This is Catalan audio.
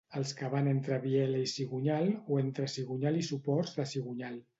Els que van entre biela i cigonyal, o entre cigonyal i suports de cigonyal.